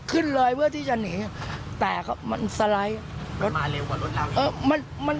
ขึ้นเลยเพื่อที่จะหนีแต่มันสไลด์รถมาเร็วกว่ารถนำมัน